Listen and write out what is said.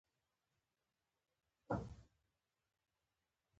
دواړه کاتولیکان باور لري، چې خدای د انسان په بڼه راغی.